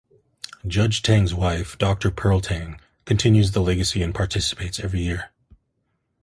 Judge Tang's wife, Doctor Pearl Tang, continues the legacy and participates every year.